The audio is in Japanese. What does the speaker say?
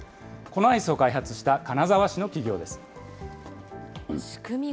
このアイスを開発した金沢市の企業です。